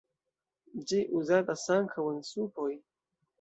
Ĝi uzatas ankaŭ en supoj.